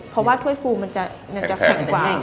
เพราะว่าถ้วยฟูมันจะแข็งกว่า